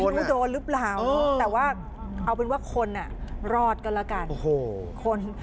ไม่รู้โดนรึเปล่าแต่ว่าคนรอดกันแล้วกัน